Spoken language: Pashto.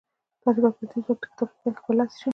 تاسې به پر دې ځواک د کتاب په پيل کې برلاسي شئ.